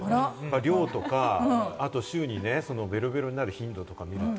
量とか、あと週にベロベロになる頻度とか見ると。